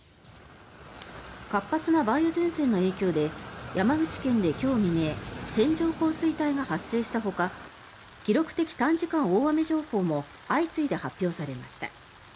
活発な梅雨前線の影響で山口県で今日未明線状降水帯が発生したほか記録的短時間大雨情報も相次いで発表されました。